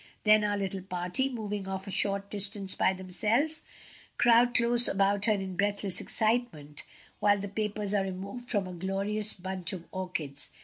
Then our little party, moving off a short distance by themselves, crowd close about her in breathless excitement while the papers are removed from a glorious bunch of orchids.